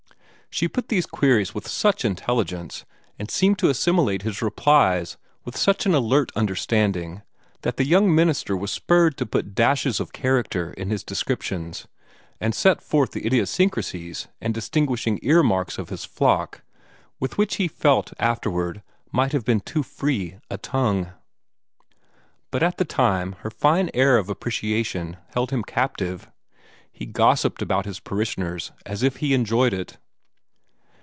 She put these queries with such intelligence, and seemed to assimilate his replies with such an alert understanding, that the young minister was spurred to put dashes of character in his descriptions, and set forth the idiosyncrasies and distinguishing earmarks of his flock with what he felt afterward might have been too free a tongue. But at the time her fine air of appreciation led him captive. He gossiped about his parishioners as if he enjoyed it.